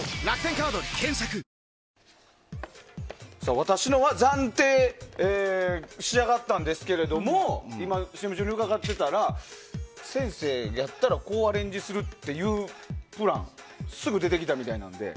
私のは暫定仕上がったんですけども今、ＣＭ中に伺ってたら先生やったらこうアレンジするというプランがすぐ出てきたみたいなので。